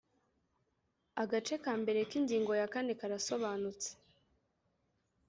agace ka mbere k ingingo ya kane karasobanutse